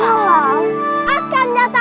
amerika ke pusatan ketentuan